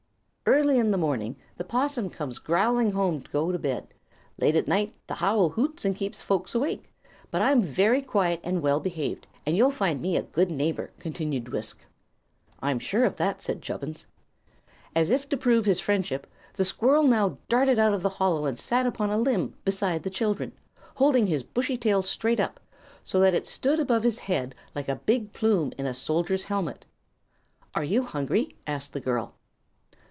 "Early in the morning the 'possum comes growling home to go to bed; late at night the owl hoots and keeps folks awake; but I'm very quiet and well behaved, and you'll find me a good neighbor," continued Wisk. "I'm sure of that," said Chubbins. As if to prove his friendship the squirrel now darted out of the hollow and sat upon a limb beside the children, holding his bushy tail straight up so that it stood above his head like a big plume in a soldier's helmet. "Are you hungry?" asked the girl.